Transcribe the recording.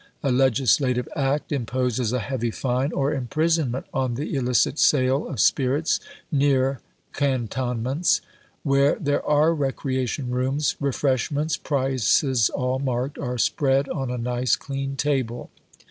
A Legislative Act imposes a heavy fine or imprisonment on the illicit sale of spirits near cantonments. Where there are recreation rooms, refreshments (prices all marked) are spread on a nice clean table."